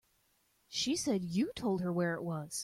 She said you told her where it was.